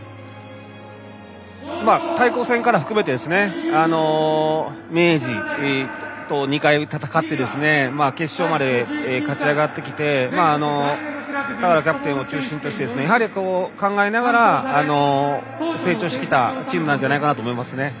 対抗戦から含めて明治と２回、戦って決勝まで勝ち上がってきて相良キャプテンを中心としてやはり、考えながら成長してきたチームなんじゃないかと思います。